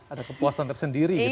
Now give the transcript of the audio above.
ada kepuasan tersendiri gitu ya ma